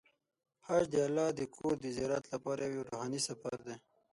حج د الله د کور د زیارت لپاره یو روحاني سفر دی.